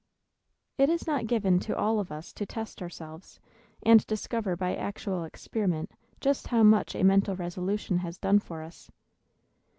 It is not given to all of us to test ourselves, and discover by actual experiment just how much a mental resolution has done for us.